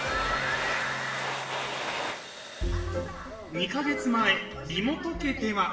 ２か月前梨本家では。